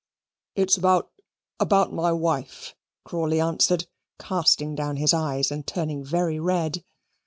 "It's about about my wife," Crawley answered, casting down his eyes and turning very red.